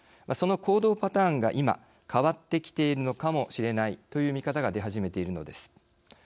その行動パターンが今変わってきているのかもしれないという見方が出始めているのです。